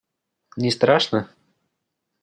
Не страшно?